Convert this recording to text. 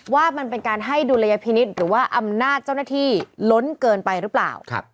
ว่ามันเป็นการให้ดุลยพินิษฐ์หรือว่าอำนาจเจ้าหน้าที่ล้นเกินไปหรือเปล่า